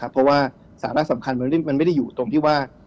เพราะว่าสาระสำคัญมันไม่ได้อยู่ตรงที่ว่า